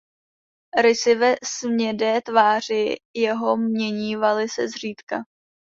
Rysy ve smědé tváři jeho měnívaly se zříkda.